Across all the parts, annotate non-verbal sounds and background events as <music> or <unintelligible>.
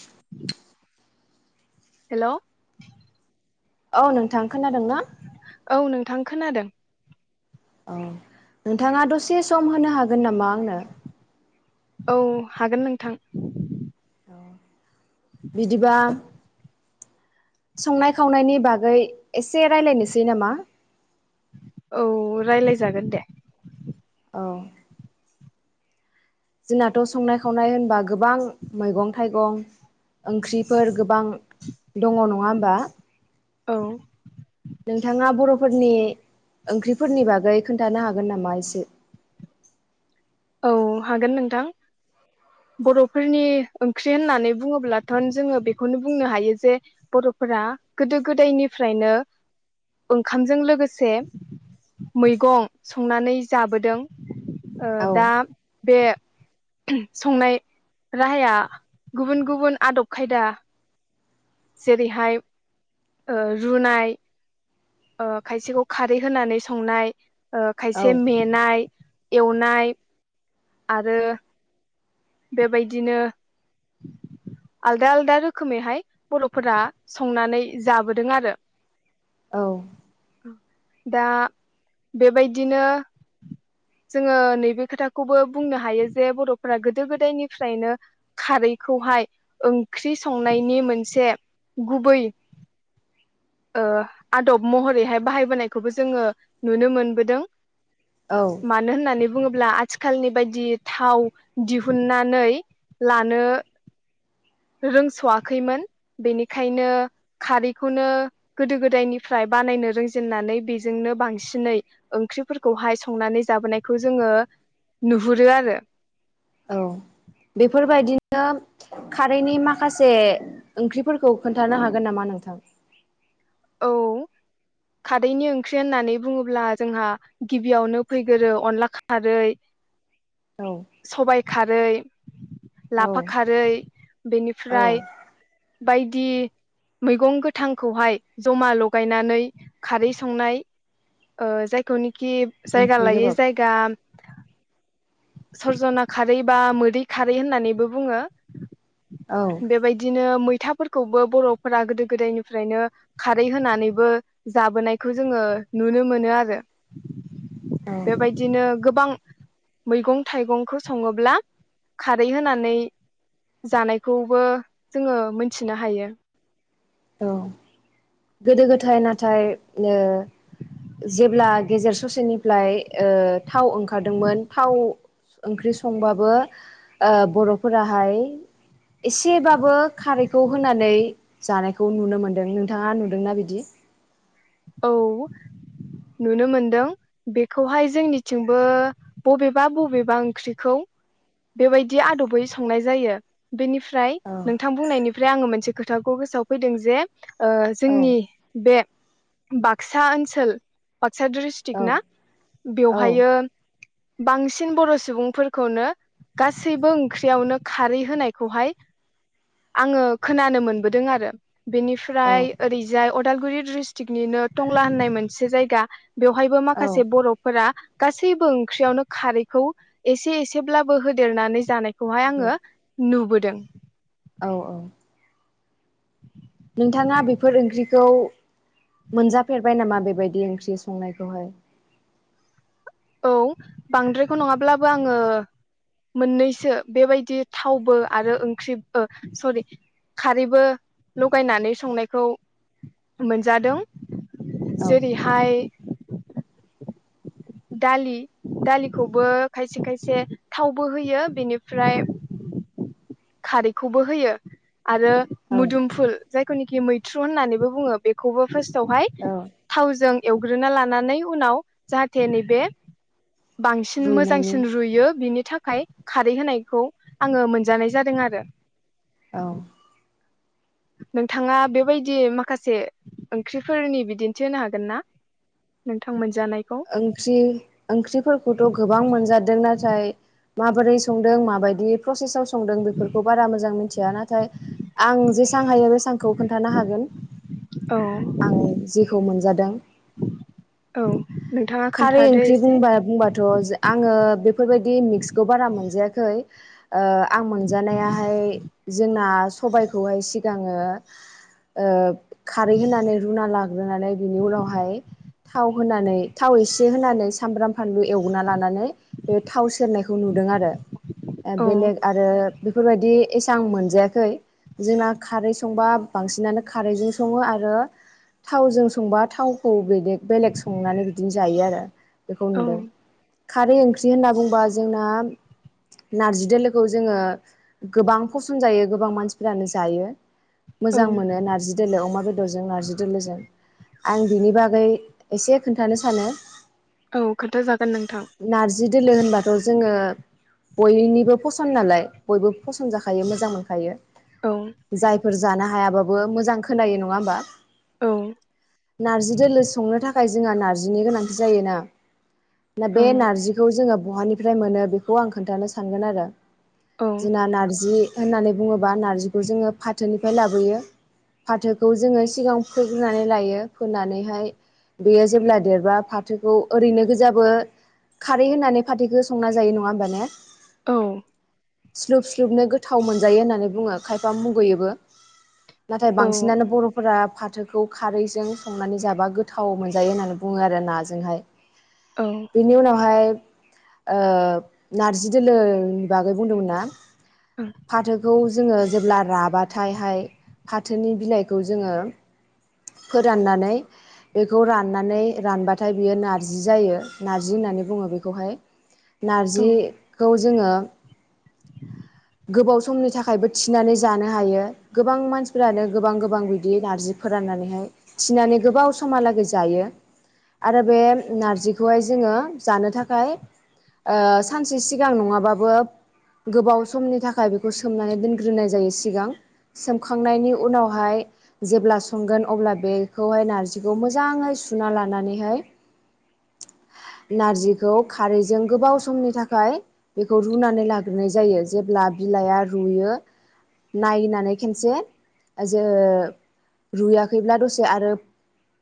<unintelligible> हेल' औ नोंथां खोनादों ना औ नोंथां खोनादों औ नोंथाङा दसे सम होनो हागोन नामा आंनो औ हागोन नोंथां बिदिबा संनाय खावनायनि बागै एसे रायलायनोसै नामा औ रायलायजागोन दे औ जोंनाथ' संनाय खावनाय होनबा गोबां मैगं थाइगं ओंख्रिफोर गोबां दङ नङा होमबा औ नोंथाङा बर'फोरनि ओंख्रिफोरनि बागै खोन्थानो हागोन नामा एसे <unintelligible> औ हागोन नोंथां बर'फोरनि ओंख्रि होननानै बुङोब्लाथ' जोङो बेखौनो बुंनो हायो जे बर' फोरा गोदो गोदायनिफ्रायनो ओंखामजों लोगोसे मैगं संनानै जाबोदों ओ औ दा बे संनाय राहाया गुबुन गुबुन आदब खायदा जेरैहाय रुनाय, खायसेखौ खारै होनानै संनाय औ खायसे मेनाय एवनाय आरो बेबायदिनो आलदा आलदा रोखोमैहाय बर'फोरा संनानै जाबोदों आरो औ दा बेबायदिनो जोङो नैबे खोथाखौबो बुंनो हायो जे बर'फोरा गो गोदो गोदायनिफ्रायनो खारैखौहाय ओंख्रि संनायनि मोनसे गुबै <inaudible> ओ आदब महरैहाय बाहायबोनायखौबो जोङो नुनो मोनबोदों। औ मानो होननानै बुङोब्ला ब्ला आथिखालनि बायदि थाव दिहुननानै लानो रोंस'वाखैमोन बेनिखायनो खारैखौनो गोदो गोदायनिफ्राय बानायनो रोंजेननानै बेजोंनो बांसिनै ओंख्रिफोरखौहाय संनानै जोनायखौ जोङो नुहुरो आरो औ बेफोरबायदिनो खारैनि माखासे ओंख्रिफोरखौ खोन्थानो हागोन नामा नोंथां? औ <inaudible> खारैनि ओंख्रि होननानै बुङोब्ला जोंहा गिबियावनो फैगोरो अनला खारै औ सबायाइ खारै, लाफा औ खारै, औ बेनिफ्राय बायदि मैगं गोथांखौहाय जमा लगायनानै खारै संनाय ओ जायखौनि कि जायगा ओंख्रि लायै गोबाब जायगा सरजना खारै बा मोदै खारै होननानैबो बुङो। औ बेबायदिनो मै फिथाफोरखौबो बर'फोरा गोदो गोदायनिफ्रायनो खारै होनानैबो जाबोनायखौ जोङो नुनो मोनो आरो औ बेबायदिनो गोबां मैगं थाइगंखौ सङोब्ला खारै होनानै जानायखौबो जोङो मोनथिनो हायो। औ गोदो गोथाय नाथाय ओ जेब्ला गेजेर ससेनिफ्लाय ओ थाव ओंखारदोंमोन थाव ओंख्रि संबाबो ओ बर'फोराहाय एसेबाबो खारैखौ होनानै जानाय खौ नुनो मोन्दों नोंथाङा नुदोंना बिदि? औ नुनो मोनदों बेखौहाय जोंनिथिंबो बबेबा बबेबा ओंख्रिखौ बेबायदि आदबयै संनाय जायो बेनिफ्राय औ ओमफ्राय नोंथां बुंनायनिफ्राय आङो मोनसे खोथाखौ गोसोआव फैदों जे औ जोंनि बे बाक्सा ओनसोल बाक्सा औ डिस्ट्रिक ना बेवहायो बांसिन बर' सुबुंफोरखौनो गासैबो ओंख्रियावनो खारै होनायखौहाय आङो खोनानो मोनबोदों आरो औ बेनिफ्राय ओरैजाय अदालगुरि द्रिस्ट थिकनिनो टंला होननाय मोनसे जायगा बेवहायबो औ माखासे बर'फोरा गासैबो ओंख्रियावनो खारैखौ एसे एसेब्लाबो होदेरनानै जानाय खौहाय आङो नुबोदों। औ औ नोंथाङा बेफोर ओंख्रिखौ मोनजाफेरबाय नामा बेबायदि ओंख्रि संनायखौहाय औ बांद्रायखौ नङाब्लाबो आङो मोननैसो बेबायदि थावबो आरो ओंख्रि ओ सरि खारैबो लगायनानै संनायखौ मोनजादों । औ जेरैहाय दालि दालिखौबो खायसे खायसे थावबो होयो बेनिफ्राय <inaudible> खारैखौबो होयो आरो औ मोदुमफुल जायखौनिखि मैथ्रु होननानैबो बुङो बेखौबो फार्स्टावहाय औ थावजों एवग्रोना लानानै उनाव जाहाथे नैबे बांसिन रुइनायनि मोजांसिन रुयो बिनि थाखाय खारै होनायखौ आङो मोनजानाय जादों आरो औ नोंथाङा बेबायदि माखासे ओंख्रिफोरनि बिदिन्थि होनो हागोन ना? नोंथां मोनजानाय ओंख्रि ओंख्रिफोरखौथ' गोबां मोनजादों नाथाय माबोरै संदों माबायदि प्रसेसआव संदों बेफोरखौ बारा मोजां मिथिया नाथाय आं जेसां हायो बे सांखौ खोन्थानो हागोन। औ आं जिखौ मोनजादों औ नोंथाङा खारै खोन्थादो ओंख्रि एसे बुंबा बुंबाथ' आङो बेफोरबायदि मिक्सखौ बारा मोनजायाखै ओ मोनजानायाहाय जोंना सबायखौहाय सिगाङो ओ खारै होनानै रुना लाग्रोनानै बेनि उनावहाय थाव होनानै थाव एसे होनानै सामब्राम फानलु एवगना लानानै बे थाव सेरनायखौ नुदों आरो औ बेलेग आरो बेफोरबायदि एसेबां मोनजायाखै जोंना खारै संबा बांसिनानो खारैजों सङो आरो थावजों संबा थावखौ बेलेग- बेलेग संनानै -' बिदिनो जायो आरो बेखौ औ नुदों खारै ओंख्रि होनना बुंबा जोंना नारजि दोलोखौ जोङो गोबां फसन जायो गोबां मानसिफोरानो जायो औ मोजां मोनो नार्जि दोलो अमा बेदरजों नार्जि दोलोजों आं बिनि बागै एसे खोन्थानो सानो औ खोन्थ जागोन नोंथां नारजि दोलो होनबाथ' जोङो बयनिबो फसन्द नालाय बयबो फसन जाखायो मोजां मोनखायो औ जाय फोर जानो हायाबाबो मोजां खोनायो नङा होमबा औ ओं नारजि दोलो संनो थाखाय जोंहा नार्जिनि गोनांथि जायोना ना बे नार्जिखौ जोङो बहानिफ्राय मोनो बेखौ आं खोन्थानो सानगोन आरो औ जोंना नार्जि होननानै बुङोब्ला नार्जिखौ जोङो फाथोनिफ्राय लाबोयो फाथोखौ जोङो सिगां फोग्रोनानै लायो फोनानैहाय बेयो जेब्ला देरबा फाथोखौ ओरैनो गोजाबो खारै होननानै फाथैखौ संना जायो नङा होमबा ने औ स्लुब- स्लुबनो गोथाव मोनजायो होननानै बुङो खायफा मुगैयोबो नाथाय औ बांसिनानो बर'फोरा फाथोखौ खारैजों संनानै जाबा गोथ- आव मोनजायो होननानै बुङो आरो नाजोंहाय औ बेनि उनावहाय ओ नारजि दोलो बागै बुंदोंमोन ना औ फाथोखौ जोङो जेब्ला राबाथायहाय फाथोनि बिलाइखौ जोङो फोराननानै बेखौ राननानै रानबाथाय बियो नारजि जायो नारजि होननानै बुङो बेखौहाय औ नारजिखौ जोङो गोबाव समनि थाखायबो थिनानै जानो हायो गोबां मानसिफोरानो गोबां गोबां बिदि नारजि फोराननानै नैहाय थिनानै गोबाव समहालागै जायो आरो बे नारजिखौहाय जोङो जानो थाखाय ओ सानसे सिगां नङाबाबो गोबाव समनि थाखाय बेखौ सोमनानै दोनग्रोनाय जायो सिगां सोमखांनायनि उनावहाय जेब्ला संगोन अब्ला बेखौहाय नारजि मोजाङै सु लानानैह नारजिखौ खारैजों गोबाव समनि थाखाय बेखौ रुनानै लाग्रोनाय जायो जेब्ला बिलाइआ रुयो नायनानै खेनसे जो रुयाखैब्ला दसे आरो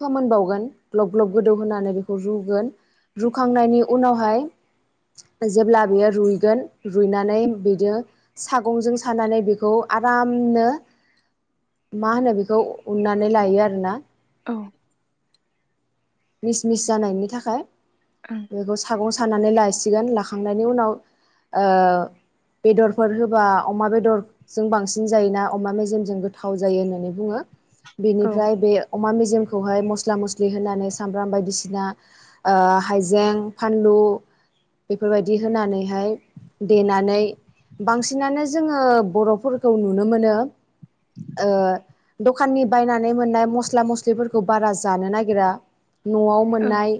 फोमोनबावगोन ग्लब ग्लब गोदौ होनानै बेखौ रुगोन रुखांनायनि उनावहाय जेब्ला बेयो रुइगोन रुइनानै बिदि सागंजों सानानै बेखौ आरामनो मा होनो बेखौ उन्नानै लायो आरोना औ मिस मिस जानायनि थाखाय औ बेखौ सागं सानानै लासिगोन लाखांनायनि उनाव ओ बेदरफोर होबा अमा बेदरजों बांसिन जायोना अमा मेजेमजों गोथाव जायो होननानै बुंङो औ बेनिफ्राय बे अमा मेजेमखौ म म्ला मस्लि होनानै सामब्राम बायदिसिना ओ हाइजें फानलु बेफोरबायदि होनानैहाय देनानै बांसिनानो जोंङो बर'फोरखौ नुनो मोनो ओ दखाननि बायनानै मोननाय मस्ला मस्लिफोरखौ खौ बारा जानो नागिरा नआव मोननाय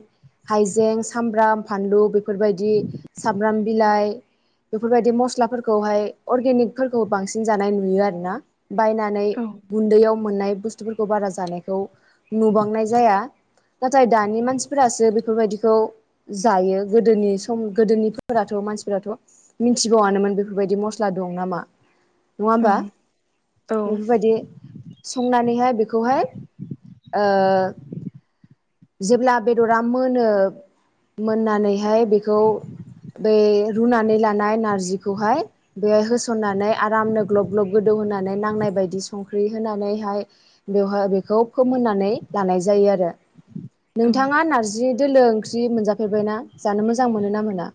हाइजें सामब्राम फानलु बेफोरबायदि सामब्राम बिलाइ बेफोरबायदि मस्लाफोरखौहाय अर्गेनिकफोरखौ बांसिन जानाय नुयो आरो ना बायनानै गुन्दैयाव मोननाय बुस्थुफोरखौ बारा जानायखौ नुबांनाय जाया नाथाय दानि मानसिफोरासो बेफोरबायदिखौ जायो गोदोनि सम गोदोनिफोराथ' मानसिफोराराथ मिथिबावनोमोन बेफोरबायदि मस्ला दं नामा नङा औ होमबा औ बेफोरबायदि संनानैहाय बेखौहाय ओ जेब्ला बेदरा मोनो मोननानैहाय बेखौ बे रुनानै लानाय नारजिखौहाय बेहाय होसननानै आरामनो ग्लब ग्लब गोदौ होनानै नांनाय बायदि संख्रि होनानैहाय बेहाय बेखौ फोमोननानै लानाय जायो आरो नोंथाङा नार्जि दोलो ओंख्रि मोनजाफैबायना जानो मोजां मोनो ना मोना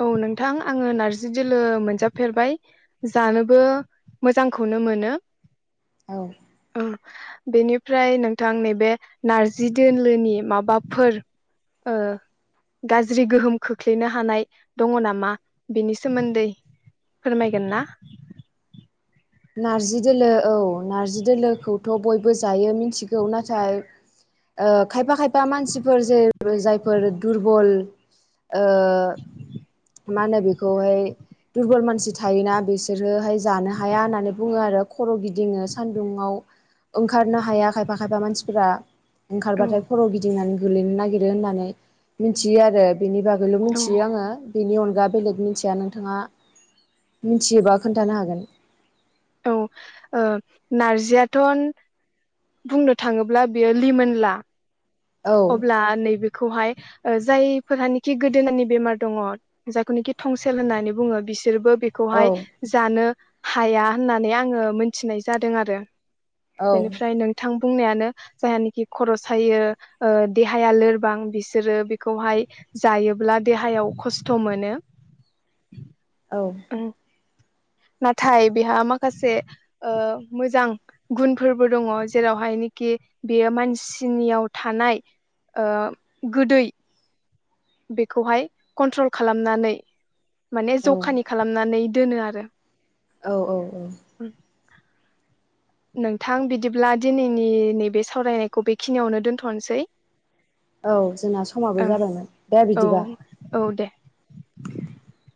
औ नोंथां आंङो नारजि दोलो मोनजाफेरबाय जानोबो मोजांखौनो मोनो औ उम बेनिफ्राय नोंथां नैबे नारजि दोलोनि माबाफोर ओ गाज्रि गोहोम खोख्लैनो हानाय दङ नामा बेनि सोमोन्दै फोरमायगोन ना नार्जि दोलो औ नार्जि दोलोखौथ' बयबो जायो मिथिगौ नाथाय ओ खायफा खायफा मानसिफोर जेर जायफोर दुरबल ओ मा होनो बेखौहाय दुरबल मानसि थायोना बिसोरोहाय जानो हाया ना आरो खर' गिदिङो सान्दुुंङाव ओंखारनो हाया खायफा खायफा मानसिफोरा औ ओंखारबाथाय खर' गिदिंनानै गोलैनो नागिरो होननानै मिनथियो आरो बेनि बागैल' औ मिथियो आंङो बेनि अनगा बेलेग मिथिया नों नोंथांङा मिनथियोबा खोन्थानो हागोन औ ओ नारजि याथन बुंनो थांङोब्ला बेयो लिमोनला औ अब्ला नैबेखौहाय ओ जायफोरहानिखि गोदोननि बेमार दङ जायखौनिखि थंसेल होननानै बुङो बिसोरबो औ बेखौहाय जानो हाया होननानै आंङो मोनथिनाय जादों आरो औ बेनिफ्राय नोंथां बुंनायानो जायहानोखि खर' सायो ओ देहाया लोरबां बिसोरो बेखौहाय जायोब्ला देहायाव खस्थ' मोनो औ उम नाथाय बेहा माखासे ओ मोजां गुनफोरबो दंङ जेरावहाय कि बेयो मानसिनियाव थानाय ओ गोदै बेखौहाय कन्ट्रल खालामनानै माने औ जखानि खालामनानै दोनो आरो औ औ औ नोंथां बिदिब्ला दिनैनि नैबे सावरायनायखौ बेखिनियावनो दोन्थ'नोसै। औ जोंना समाबो जाबायमोन दे औ बिदिबा औ दे <unintelligible>